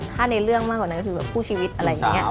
ถ้าในเรื่องมากกว่านั้นก็คือแบบคู่ชีวิตอะไรอย่างนี้